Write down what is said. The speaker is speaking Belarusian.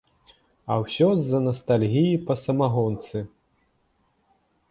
А ўсё з-за настальгіі па самагонцы!